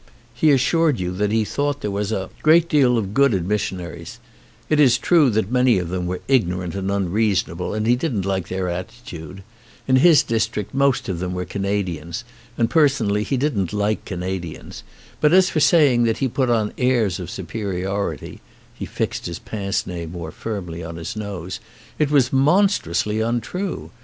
He assured you that he thought there was a 57 ON A CHINESE SCREEN great deal of good in missionaries ; it is true that many of them were ignorant and unreasonable, and he didn't like their attitude; in his district most of them were Canadians, and personally he didn't like Canadians; but as for saying that he put on airs of superiority (he fixed his pince nez more firmly on his nose) it was monstrously un true.